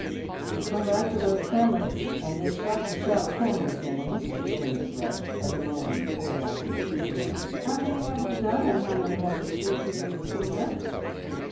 "To come back to those chemists, and this shop to shop canvassing," resumed Thrush, as Mullins poured out his tea; "how many have you done, and how many have we still to do between us?"